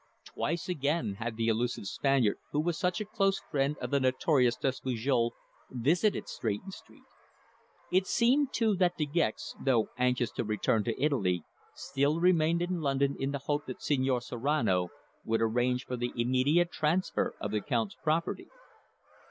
Twice again had the elusive Spaniard, who was such a close friend of the notorious Despujol, visited Stretton Street. It seemed, too, that De Gex, though anxious to return to Italy, still remained in London in the hope that Señor Serrano would arrange for the immediate transfer of the Count's property.